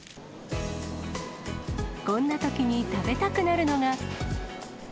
こんなときに食べたくなるのが。